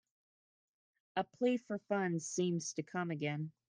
A plea for funds seems to come again.